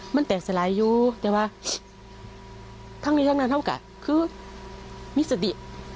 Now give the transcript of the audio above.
มันแตกสลายอยู่แต่ว่าทั้งนี้ทั้งนั้นเท่ากับคือมีสติ